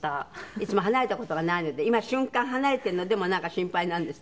いつも離れた事がないので今瞬間離れてるのでもなんか心配なんですって？